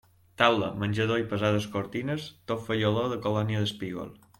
Taula, menjador i pesades cortines, tot feia olor de colònia d'espígol.